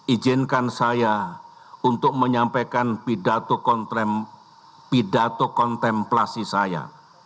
izinkan saya untuk menyampaikan pidato kontemplasi saya